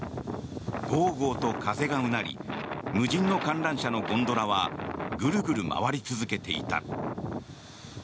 ごうごうと風がうなり無人の観覧車のゴンドラはぐるぐる回り続けていた。